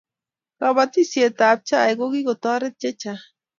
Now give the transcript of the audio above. kabatishiet ab chaik ko kikotaret chechang'